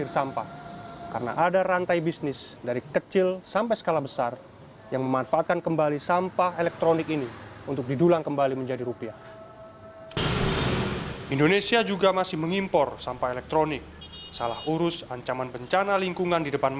sampah ini masuk kategori b tiga atau bahan berbahaya dan beracun